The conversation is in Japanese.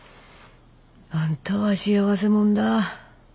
あんたは幸せもんだ。